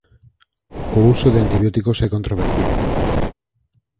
O uso de antibióticos é controvertido.